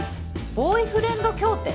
ボーイフレンド協定？